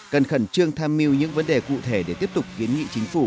cần khẩn trương tham mưu những vấn đề cụ thể để tiếp tục kiến nghị chính phủ